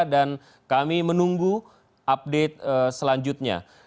dan kami menunggu update selanjutnya